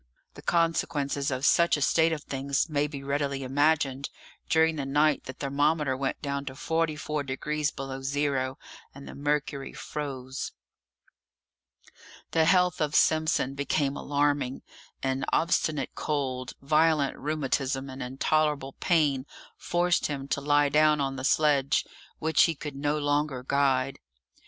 The consequences of such a state of things may be readily imagined; during the night the thermometer went down to 44 degrees below zero, and the mercury froze. The health of Simpson became alarming; an obstinate cold, violent rheumatism, and intolerable pain forced him to lie down on the sledge, which he could no longer guide.